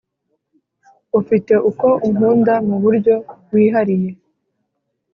ufite uko unkunda mu buryo wihariye